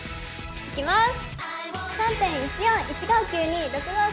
いきます！